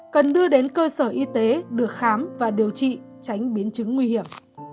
cần đưa đến cơ sở y tế được khám và điều trị tránh biến chứng nguy hiểm